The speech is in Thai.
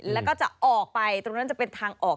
แล้วก็จะออกไปตรงนั้นจะเป็นทางออก